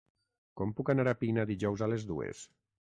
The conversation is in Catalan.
Com puc anar a Pina dijous a les dues?